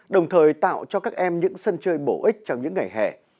đồng thời tạo cho các em những sân chơi bổ ích trong những ngày hè